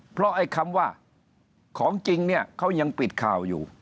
เพราะไอ้คำว่าของจริงเนี่ยเขายังปิดข่าวอยู่